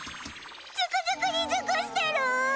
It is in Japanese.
ジュクジュクに熟してる！